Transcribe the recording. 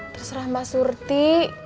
terserah mbak surti